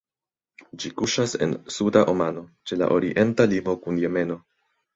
Ĝi kuŝas en Suda Omano, ĉe la orienta limo kun Jemeno.